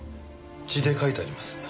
血で書いてあります。